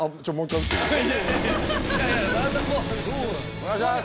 お願いします！